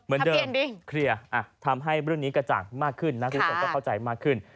เหมือนเดิมเคลียร์ทำให้เรื่องนี้กระจ่างมากขึ้นนะคุณผู้ชมก็เข้าใจมากขึ้น